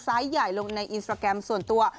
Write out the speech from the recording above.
ใหญ่ลงในอินสตราแกรมส่วนตัว